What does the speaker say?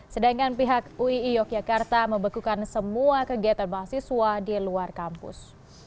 sedangkan pihak uii yogyakarta membekukan semua kegiatan mahasiswa di luar kampus